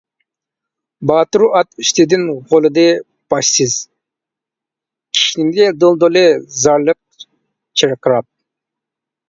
باتۇر ئات ئۈستىدىن غۇلىدى باشسىز، كىشنىدى دۇلدۇلى زارلىق چىرقىراپ.